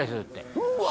「うわ！」